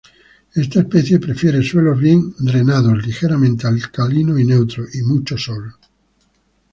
Esta especie prefiere suelos bien drenados, ligeramente alcalinos o neutros, y mucho sol.